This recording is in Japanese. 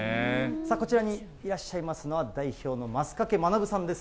こちらにいらっしゃいますのは、代表の升掛学さんです。